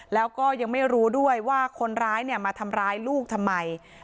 แล้วก็ยังไม่รู้ด้วยว่าคนร้ายมาทำร้ายลูกทำไม